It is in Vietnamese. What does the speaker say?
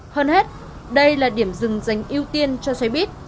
hơn hết đây là điểm rừng dành ưu tiên cho xoay bít